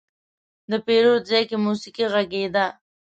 د پیرود ځای کې موسيقي غږېده.